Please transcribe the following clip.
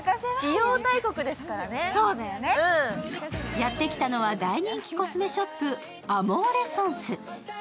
やってきたのは大人気コスメショップ、ＡＭＯＲＥ聖水。